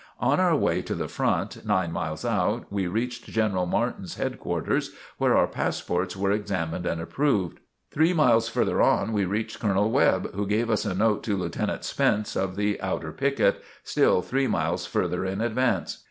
On our way "to the front," nine miles out, we reached General Martin's headquarters, where our passports were examined and approved. Three miles further on, we reached Colonel Webb, who gave us a note to Lieutenant Spence of the outer picket, still three miles further in advance.